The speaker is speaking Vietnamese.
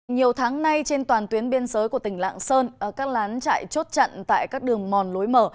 nhiều tháng nay trên toàn tuyến biên giới của tỉnh lạng sơn các lán chạy chốt chặn tại các đường mòn lối mở